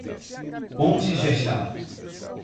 Pontes Gestal